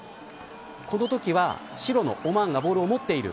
このときは白のオマーンがボールを持っている。